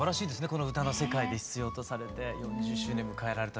この歌の世界で必要とされて４０周年迎えられた。